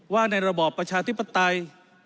ในระบอบประชาธิปไตย